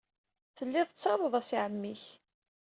Telliḍ tettaruḍ-as i ɛemmi-k.